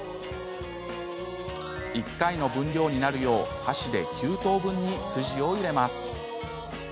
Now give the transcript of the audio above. １回の分量になるよう箸で９等分に筋を入れます。